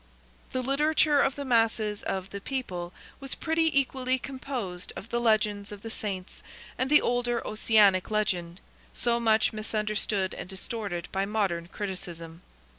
The literature of the masses of the people was pretty equally composed of the legends of the Saints and the older Ossianic legend, so much misunderstood and distorted by modern criticism.